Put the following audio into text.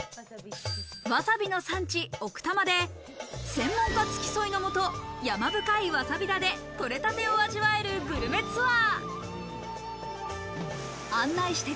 わさびの産地・奥多摩で、専門家付き添いのもと山深いわさび田で取れたてを味わえるグルメツアー。